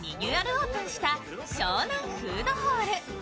オープンした湘南フードホール。